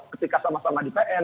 ketika sama sama di pn